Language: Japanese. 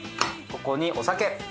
ここにお酒。